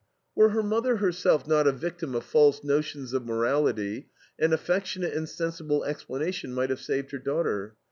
Were her mother herself not a victim of false notions of morality, an affectionate and sensible explanation might have saved her daughter.